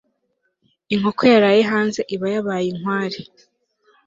inkoko yaraye hanze iba yabaye inkware